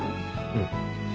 うん。